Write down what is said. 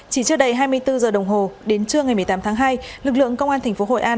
chỉ trước đây hai mươi bốn h đồng hồ đến trưa ngày một mươi tám tháng hai lực lượng công an thành phố hội an